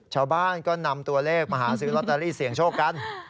ชาวบ้านก็นำตัวเลขมาหาซื้อลอตเตอรี่เสี่ยงโชคกัน